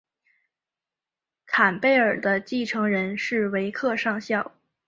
坎贝尔的继承人是维克上校。